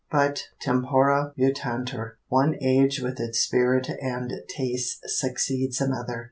But tempora mutantur; one age with its spirit and taste succeeds another.